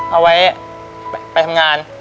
เอาไว้ไปทำงาน